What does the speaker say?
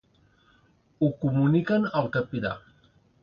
Ho comuniquen al capità.